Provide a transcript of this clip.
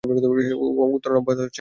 এর ধারাবাহিক উত্তরণ অব্যাহত আছে।